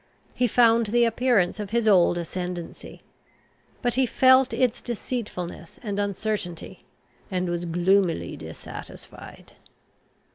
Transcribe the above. He found the appearance of his old ascendancy; but he felt its deceitfulness and uncertainty, and was gloomily dissatisfied.